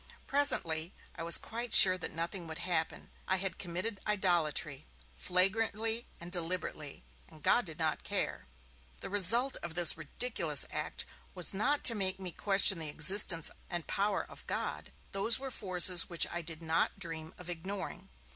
Presently, I was quite sure that nothing would happen. I had committed idolatry, flagrantly and deliberately, and God did not care. The result of this ridiculous act was not to make me question the existence and power of God; those were forces which I did not dream of ignoring.